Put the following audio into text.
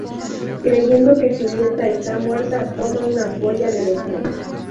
Creyendo que Julieta está muerta toma una ampolla de veneno.